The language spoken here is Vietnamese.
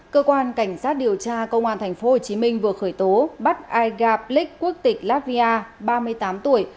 cơ quan cảnh sát điều tra công an tp hcm vừa khởi tố bắt ai gặp lích quốc tịch latvia ba mươi tám tuổi